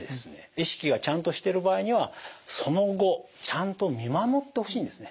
意識がちゃんとしてる場合にはその後ちゃんと見守ってほしいんですね。